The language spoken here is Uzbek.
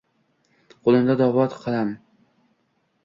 Qo’linda dovot qalam